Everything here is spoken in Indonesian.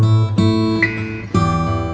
terima kasih ya mas